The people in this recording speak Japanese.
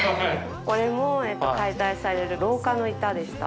これも解体される廊下の板でした。